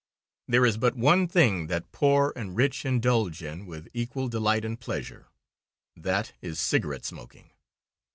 There is but one thing that poor and rich indulge in with equal delight and pleasure that is cigarette smoking.